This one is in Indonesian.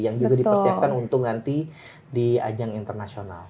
yang juga dipersiapkan untuk nanti di ajang internasional